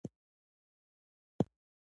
دی په یوه زاړه بلاک کې ژوند کوي.